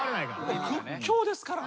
屈強ですから。